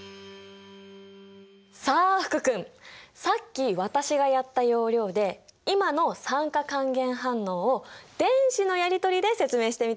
さあ福君さっき私がやった要領で今の酸化還元反応を電子のやりとりで説明してみて。